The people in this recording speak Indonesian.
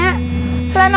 nggak usah khawatirnya nya